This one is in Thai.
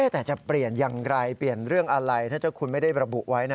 แต่จะเปลี่ยนอย่างไรเปลี่ยนเรื่องอะไรถ้าเจ้าคุณไม่ได้ระบุไว้